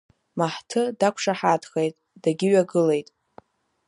Маҳҭы дақәшаҳаҭхеит, дагьыҩагылеит.